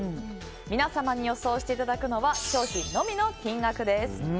皆さんに予想していただくのは商品のみの金額です。